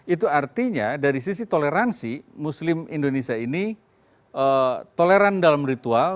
itu artinya dari sisi toleransi muslim indonesia ini toleran dalam ritual